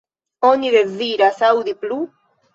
Oni deziras aŭdi plu.